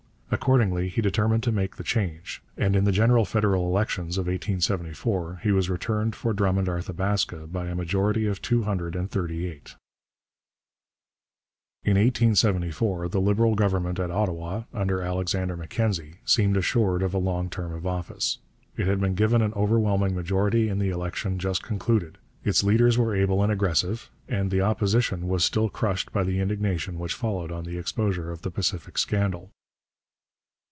Accordingly he determined to make the change, and in the general federal elections of 1874 he was returned for Drummond Arthabaska by a majority of two hundred and thirty eight. In 1874 the Liberal Government at Ottawa, under Alexander Mackenzie, seemed assured of a long term of office. It had been given an overwhelming majority in the election just concluded; its leaders were able and aggressive; and the Opposition was still crushed by the indignation which followed on the exposure of the Pacific Scandal.